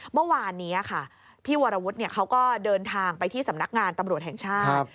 เมื่อวานนี้ค่ะพี่วรวุฒิเขาก็เดินทางไปที่สำนักงานตำรวจแห่งชาติ